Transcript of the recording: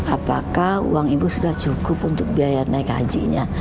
apakah uang ibu sudah cukup untuk biaya naik hajinya